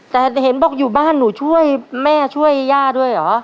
แต่เห็นบอกอยู่บ้านหนูช่วยแม่ช่วยย่าด้วยเหรอ